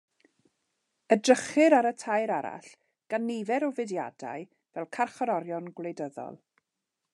Edrychir ar y tair arall gan nifer o fudiadau fel carcharorion gwleidyddol.